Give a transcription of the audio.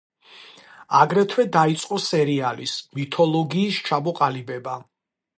აგრეთვე დაიწყო სერიალის მითოლოგიის ჩამოყალიბება.